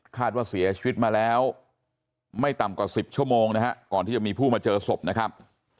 ว่าเสียชีวิตมาแล้วไม่ต่ำกว่า๑๐ชั่วโมงนะฮะก่อนที่จะมีผู้มาเจอศพนะครับ